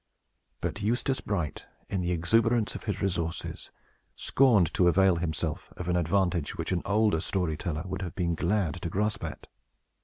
But Eustace Bright, in the exuberance of his resources, scorned to avail himself of an advantage which an older story teller would have been glad to grasp at.